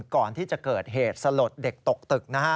ก่อนที่จะเกิดเหตุสลดเด็กตกตึกนะฮะ